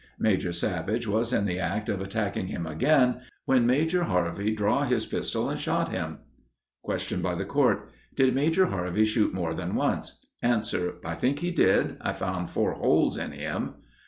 Major Savage was in the act of attacking him again, when Major Harvey draw his pistol and shot him." Question by the Court—Did Major Harvey shoot more than once? Answer—I think he did; I found four holes in him.